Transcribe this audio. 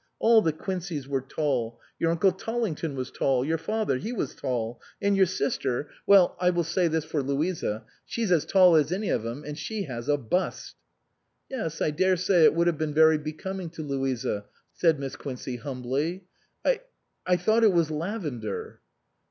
All the Quinceys were tall, your uncle Tollington was tall, your father, he was tall ; and your sister, well ; I will say this for Louisa, she's as tall as any of 'em, and she has a bust." " Yes, I daresay it would have been very be coming to Louisa," said Miss Quincey humbly. "I I thought it was lavender."